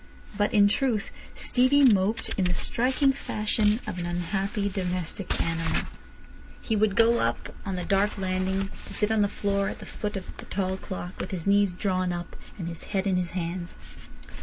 But, in truth, Stevie moped in the striking fashion of an unhappy domestic animal. He would go up on the dark landing, to sit on the floor at the foot of the tall clock, with his knees drawn up and his head in his hands.